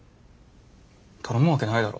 頼むわけないだろ。